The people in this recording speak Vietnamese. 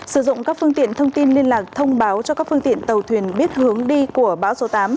sử dụng các phương tiện thông tin liên lạc thông báo cho các phương tiện tàu thuyền biết hướng đi của bão số tám